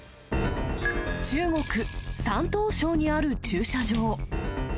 中国・山東省にある駐車場。